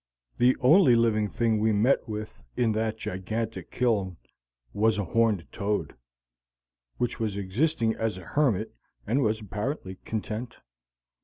The only living thing we met with in that gigantic kiln was a horned toad, which was existing as a hermit and was apparently content.